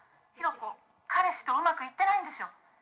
ヒロコ彼氏とうまくいってないんでしょ」